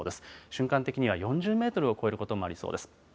瞬間的には４０メートルを超えることもありそうです。